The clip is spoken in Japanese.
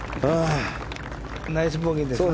ナイスボギーですね。